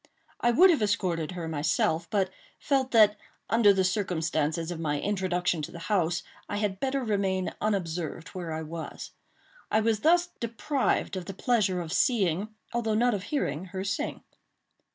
I would have escorted her myself, but felt that, under the circumstances of my introduction to the house, I had better remain unobserved where I was. I was thus deprived of the pleasure of seeing, although not of hearing, her sing.